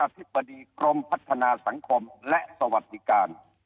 ธิบดีกรมพัฒนาสังคมและสวัสดิการ